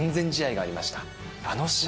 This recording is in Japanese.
あの試合。